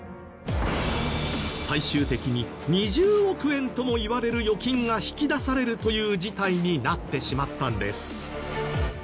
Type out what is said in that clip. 最終的に２０億円ともいわれる預金が引き出されるという事態になってしまったんです。